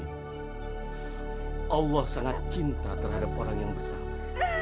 tapi allah sangat cinta terhadap orang yang bersama